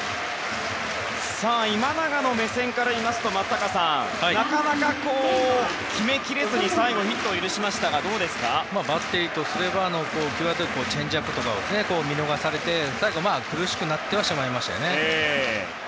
今永の目線からいいますとなかなか、決めきれず最後ヒットを許しましたがバッテリーとしては際どいチェンジアップを見逃されて最後は苦しくなってしまいましたね。